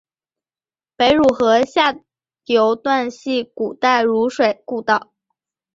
北汝河下游段系古代汝水故道。